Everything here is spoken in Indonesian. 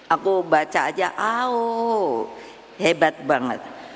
aku baca aja oh hebat banget